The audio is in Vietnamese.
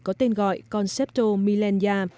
có tên gọi concepto milenia